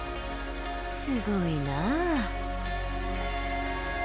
すごいなあ。